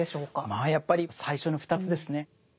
まあやっぱり最初の２つですね。